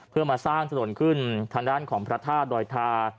เพื่อมาสร้างถนนขึ้นทางด้านของพระธาตุดอยทา